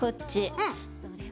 うん。